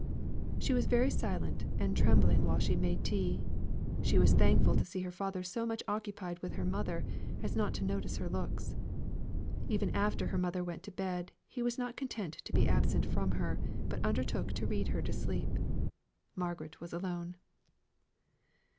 She was very silent and trembling while she made tea. She was thankful to see her father so much occupied with her mother as not to notice her looks. Even after her mother went to bed, he was not content to be absent from her, but undertook to read her to sleep. Margaret was alone.